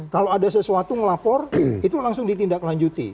kalau ada sesuatu ngelapor itu langsung ditindaklanjuti